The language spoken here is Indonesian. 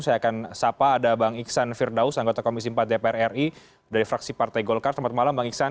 saya akan sapa ada bang iksan firdaus anggota komisi empat dpr ri dari fraksi partai golkar selamat malam bang iksan